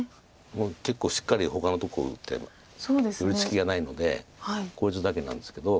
もう結構しっかりほかのところ打って寄り付きがないのでこいつだけなんですけど。